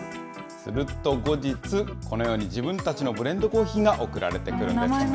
すると後日、このように自分たちのブレンドコーヒーが送られてくるんですね。